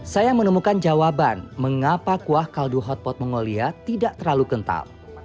saya menemukan jawaban mengapa kuah kaldu hotpot mongolia tidak terlalu kental